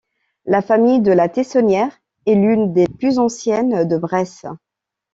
La famille de La Teyssonnière est l’une des plus anciennes de Bresse.